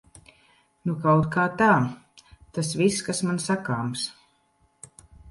Nu kautkā tā. Tas viss, kas man sakāms.